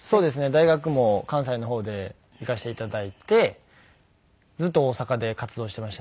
大学も関西の方で行かせて頂いてずっと大阪で活動していましたね。